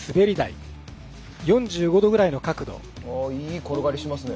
いい転がりしますね。